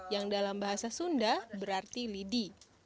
yang dalam bahasa sunda berarti lidi